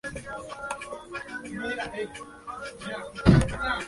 Comenzó la privatización de empresas paraestatales.